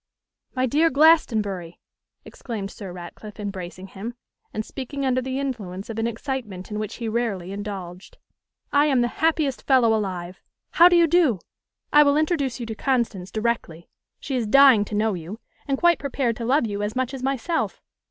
'My dear Glastonbury,' exclaimed Sir Ratcliffe, embracing him, and speaking under the influence of an excitement in which he rarely indulged, 'I am the happiest fellow alive. How do you do? I will introduce you to Constance directly. She is dying to know you, and quite prepared to love you as much as myself.